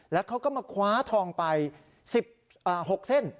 แล้วเขาก็มาคว้าทองไปซิบอ่าหกเส้น